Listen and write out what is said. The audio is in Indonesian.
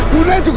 bu ne juga bilang